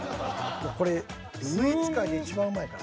これスイーツ界でいちばんうまいから。